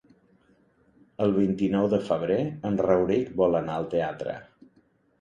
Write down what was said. El vint-i-nou de febrer en Rauric vol anar al teatre.